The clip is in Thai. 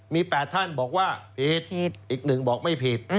มี๘ท่านบอกว่าผิดอีก๑บอกไม่ผิด